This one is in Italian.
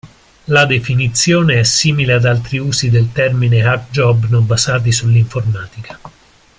La definizione è simile ad altri usi del termine hack-job non basati sull'informatica.